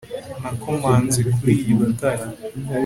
nakomanze kuri iryo tara